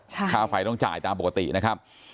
ค่าไฟต้องจ่ายตามปกตินะครับ